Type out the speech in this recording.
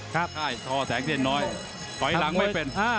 ครับใช่ทอแสงเสียงน้อยปล่อยหลังไม่เป็นอ่า